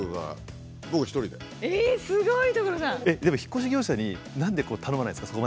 でも引っ越し業者に何で頼まないんですか？